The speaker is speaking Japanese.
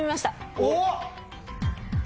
おっ！